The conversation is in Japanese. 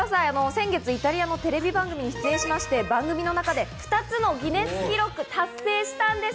先月、イタリアのテレビ番組に出演しまして、番組の中で２つのギネス記録を達成したんです。